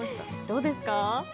どうですか？